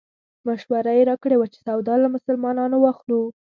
مشوره یې راکړې وه چې سودا له مسلمانانو واخلو.